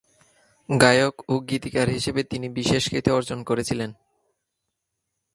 গায়ক ও গীতিকার হিসেবে তিনি বিশেষ খ্যাতি অর্জন করেছিলেন।